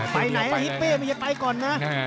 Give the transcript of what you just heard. ไปไหนฮิปปี้ไม่ได้ไปก่อนนะ